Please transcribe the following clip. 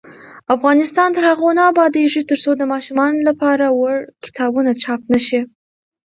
افغانستان تر هغو نه ابادیږي، ترڅو د ماشومانو لپاره وړ کتابونه چاپ نشي.